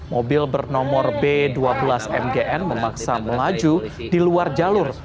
mobil bernomor b dua belas mgn memaksa melaju di luar jalur